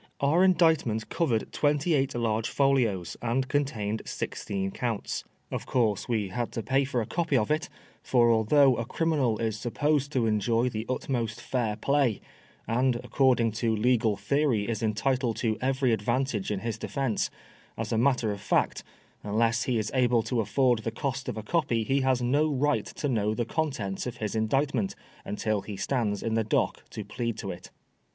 Our Indictment covered twenty eight large folios, and contained sixteen Counts. Of course we had to pay !or a copy of it ; for although a criminal is supposed to OX7B INDIGTMENT. 41 enjoy the utmost fair play, and according to legal theory is entitled to every advantage in his defence, as a matter of fact, unless he is able to afford the cost of a copy, he has no right to know the contents of his Indictment until he stands in the dock to plead to it.